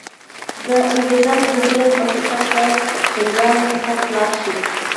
د انګرېزانو د ظلم او ستم له چنګاله څخه خلاص شـي.